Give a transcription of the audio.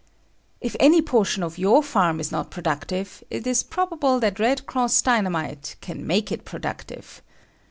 If any portion of your farm is not productive, it is probable that "Red Cross" Dynamite can make it productive.